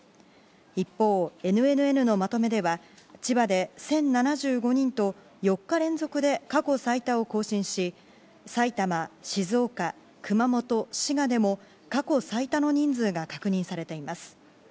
一方、ＮＮＮのまとめでは千葉で１０７５人と４日連続で過去最多を更新し埼玉、静岡、熊本、滋賀でも過去最多の人数が確認されています。